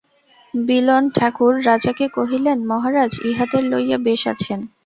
বিল্বন ঠাকুর রাজাকে কহিলেন, মহারাজ ইহাদের লইয়া বেশ আছেন।